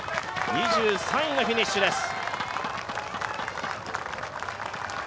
２３位のフィニッシュです。